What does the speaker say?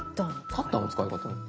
「カッターの使い方」？